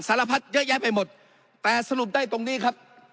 สารพัดเยอะแยะไปหมดแต่สรุปได้ตรงนี้ครับ